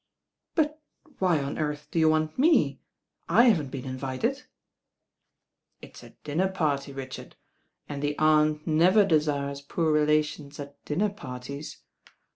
'* "But why on earth do you want me? I haven't been mvited." "It's a dinner party, Richard, and the Aunt never desires poor relations at dinner parties.